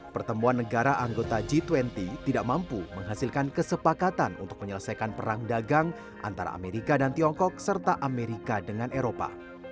pertemuan negara anggota g dua puluh tidak mampu menghasilkan kesepakatan untuk menyelesaikan perang dagang antara amerika dan tiongkok serta amerika dengan eropa